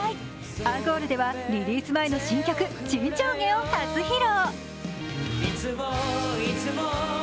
アンコールではリリース前の新曲「沈丁花」を初披露。